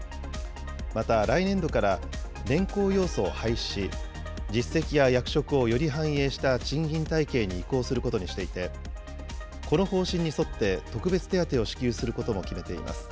また、来年度から年功要素を廃止し、実績や役職をより反映した賃金体系に移行することにしていて、この方針に沿って特別手当を支給することも決めています。